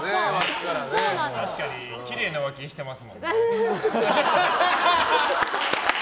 確かにきれいなわきしてますもん。